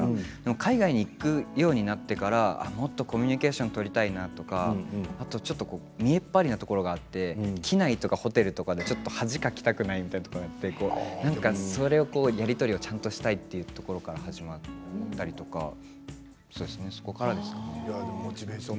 海外に行くようになってからもっとコミュニケーションを取りたいなとかちょっと見えっ張りなところがあって機内とかホテルとかでちょっと恥をかきたくないみたいなところがあってやり取りをちゃんとしたいところから始まったりとかそこからですね。